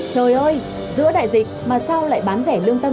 trời ơi giữa đại dịch mà sao lại bán rẻ lương tâm